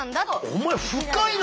お前深いな！